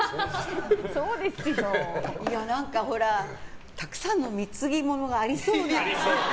何かほらたくさんの貢ぎ物がありそうな。